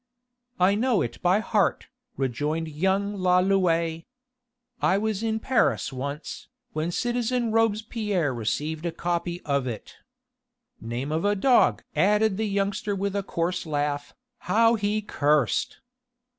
"I know it by heart," rejoined young Lalouët. "I was in Paris once, when citizen Robespierre received a copy of it. Name of a dog!" added the youngster with a coarse laugh, "how he cursed!"